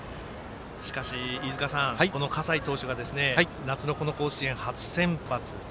しかし、この葛西投手が夏の甲子園初先発。